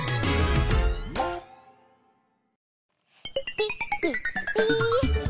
ピッピッピ！